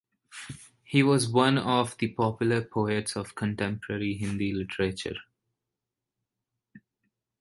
He was one of the popular poets of contemporary Hindi literature.